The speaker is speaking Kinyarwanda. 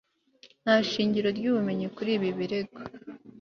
nta shingiro ry'ubumenyi kuri ibi birego